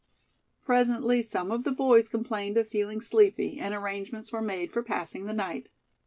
Presently some of the boys complained of feeling sleepy, and arrangements were made for passing the night.